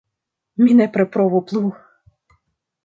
Mi nepre provu plu!